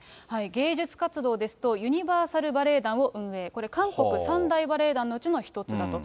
芸術活動ですと、ユニバーサルバレエ団を運営、これ、韓国三大バレエ団のうちの一つだと。